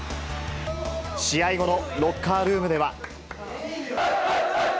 試合後のロッカールームでは。